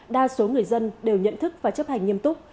đa số người dân đều nhận thức và chấp hành nghiêm túc